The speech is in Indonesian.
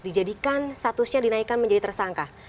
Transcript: dijadikan statusnya dinaikkan menjadi tersangka